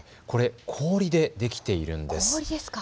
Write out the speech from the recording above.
これ、氷で出来ているんです。